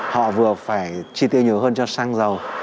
họ vừa phải chi tiêu nhiều hơn cho xăng dầu